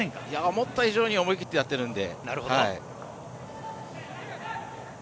思った以上に思い切ってやってるので。